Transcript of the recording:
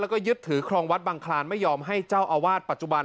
แล้วก็ยึดถือครองวัดบังคลานไม่ยอมให้เจ้าอาวาสปัจจุบัน